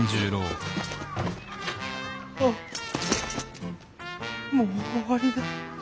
ああもう終わりだ。